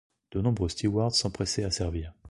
De nombreux stewards s’empressaient à servir.